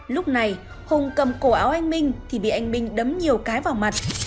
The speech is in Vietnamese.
lúc này hùng cầm cổ áo anh minh thì bị anh minh đấm nhiều cái vào mặt